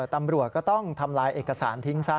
ตำรวจก็ต้องทำลายเอกสารทิ้งซะ